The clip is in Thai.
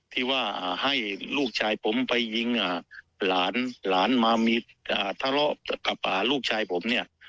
ที่ว่าให้ลูกชายผมไปยิงหลานหลานมามีทะเลาะกับลูกชายผมเนี่ย